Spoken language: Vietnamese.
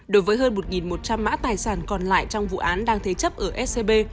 đối với hơn một một trăm linh mã tài sản còn lại trong vụ án đang thế chấp ở scb